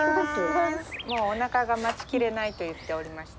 もうおなかが待ち切れないと言っておりました。